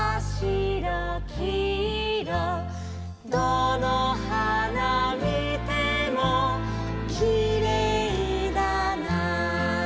「どの花見てもきれいだな」